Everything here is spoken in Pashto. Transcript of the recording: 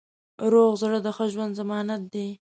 روغ زړه د ښه ژوند ضمانت دی.